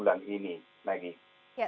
dan itu juga membuatnya lebih berat